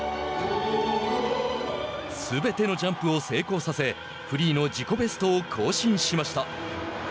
すべてのジャンプを成功させフリーの自己ベストを更新しました。